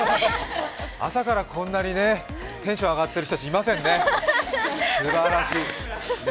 朝からこんなにテンション上がってる人たちいませんね、すばらしい。